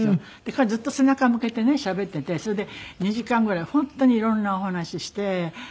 彼ずっと背中向けてねしゃべっていてそれで２時間ぐらい本当に色んなお話して。